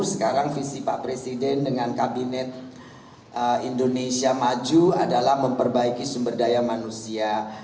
sekarang visi pak presiden dengan kabinet indonesia maju adalah memperbaiki sumber daya manusia